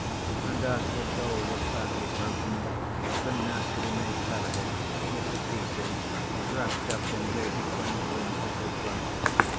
And as the doll was badly broken, the nursery maid carried it, with the pieces, wrapped up in Lady Gwendolen's little cloak.